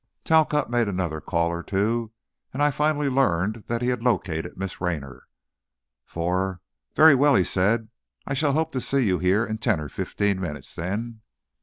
Talcott made another call or two, and I finally learned that he had located Miss Raynor. For, "Very well," he said; "I shall hope to see you here in ten or fifteen minutes, then."